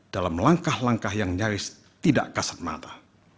dalam langkah langkah yang nyaris tidak kasat mata